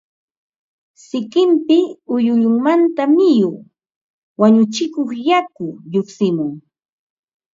sikinpi ulluyunmanta miyu (wañuchikuq yaku) lluqsimun